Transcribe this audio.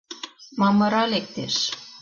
Мамыра лектеш.